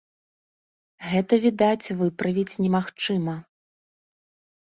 Гэта, відаць, выправіць немагчыма.